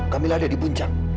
kamila ada di puncak